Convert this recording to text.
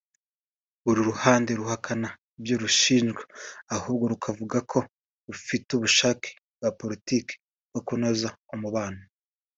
Buri ruhande ruhakana ibyo rushinjwa ahubwo rukavuga ko rufite ubushake bwa politiki bwo kunoza umubano